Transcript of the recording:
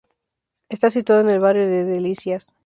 Está situado en el barrio de Delicias.